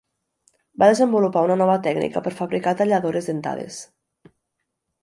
Va desenvolupar una nova tècnica per fabricar talladores dentades.